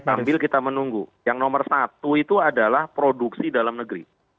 sambil kita menunggu yang nomor satu itu adalah produksi dalam negeri